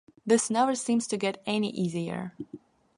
This never seems to get any easier.